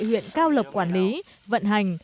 huyện cao lộc quản lý vận hành